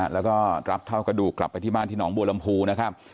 แล้วก็รับเท่ากระดูกกลับไปที่บ้านที่หนองบัวลำพูนะครับ